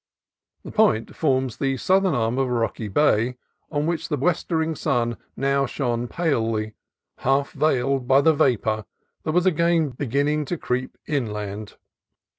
The Point forms the southern arm of a rocky bay, on which the westering sun now shone palely, half veiled by the vapor that was again beginning to creep inland.